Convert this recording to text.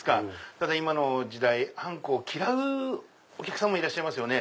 ただ今の時代あんこを嫌うお客さまもいらっしゃいます。